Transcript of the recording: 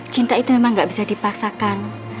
cinta itu memang gak bisa dipaksakan